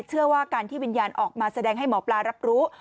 เชื่อว่าการที่วิญญาณออกมาแสดงให้หมอปลารับรู้